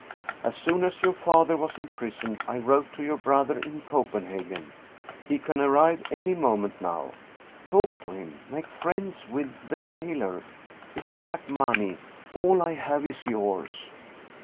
As soon as your father was imprisoned, I wrote to your brother in Copenhagen. He can arrive any moment now. Talk to him, make friends with the jailer. If you lack money, all I have is yours."